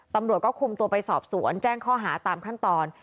ตำรวจก็คุมตัวไปสอบสวนแจ้งข้อหาตามขั้นตอน